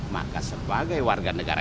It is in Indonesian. maka sebagai warga negara